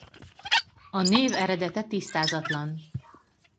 A név eredete tisztázatlan.